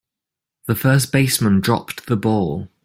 The first baseman dropped the ball.